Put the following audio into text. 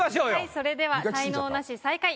それでは才能ナシ最下位